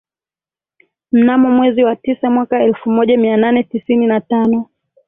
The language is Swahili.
Mnamo mwezi wa tisa mwaka elfu moja mia nane tisini na tano